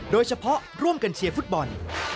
โดยเฉพาะร่วมกันเชียร์ฟุตบอล